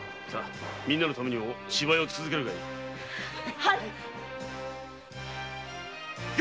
みんなのためにも芝居を続けるがいい。よ！